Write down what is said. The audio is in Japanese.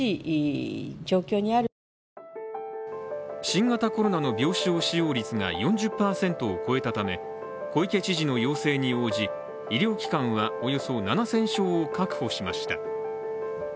新型コロナの病床使用率が４０％を超えたため小池知事の要請に応じ、医療機関はおよそ７０００床を確保しました。